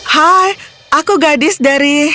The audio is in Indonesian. hai aku gadis dari